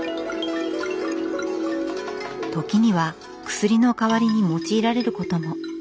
時には薬の代わりに用いられることも。